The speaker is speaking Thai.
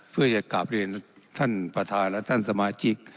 เพื่อจะกลับเรียนท่านประธานและท่านสมาชิก